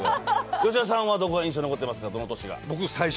吉田さんは、何が印象に残っていますか。